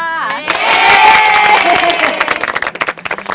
เย้เย้